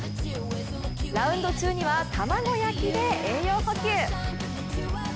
ラウンド中には卵焼きで栄養補給。